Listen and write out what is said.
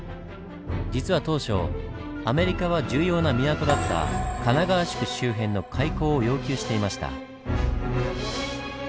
実は当初アメリカは重要な港だった神奈川宿周辺の開港を要求していました。